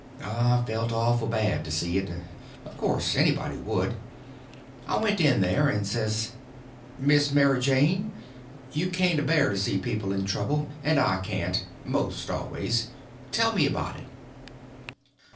I felt awful bad to see it; of course anybody would. I went in there and says: "Miss Mary Jane, you can't a bear to see people in trouble, and I can't—most always. Tell me about it."